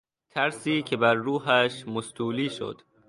ترسی که بر روحش مستولی شد